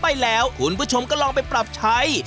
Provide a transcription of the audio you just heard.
ไปแล้วคุณผู้ชมก็ลองไปปรับใช้